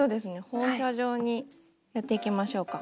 放射状にやっていきましょうか。